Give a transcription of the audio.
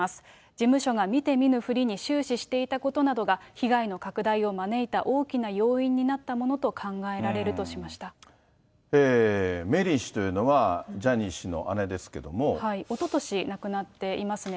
事務所が見て見ぬふりに終始していたことなどが、被害の拡大を招いた大きな要因になったものと考えられるとしましメリー氏というのは、ジャニおととし亡くなっていますね。